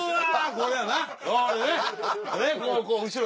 こうね後ろ